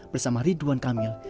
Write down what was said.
bersama ridwan kamil